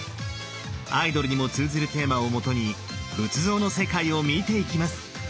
アイドルにも通ずるテーマを基に仏像の世界を見ていきます！